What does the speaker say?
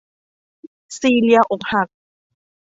ซีเลียอกหัก